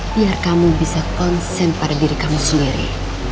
biar kamu bisa konsen pada diri kami sendiri